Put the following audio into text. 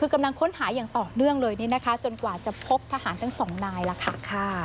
คือกำลังค้นหาอย่างต่อเนื่องเลยจนกว่าจะพบทหารทั้งสองนายล่ะค่ะ